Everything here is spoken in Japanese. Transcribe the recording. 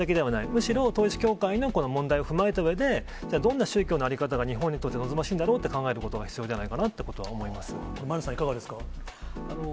むしろ統一教会の問題を踏まえたうえで、じゃあどんな宗教の在り方が、日本にとって望ましいんだろうって考えることが必要じゃな前野さん、いかがですか？